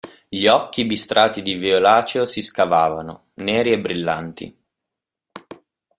Gli occhi bistrati di violaceo si scavavano, neri e brillanti.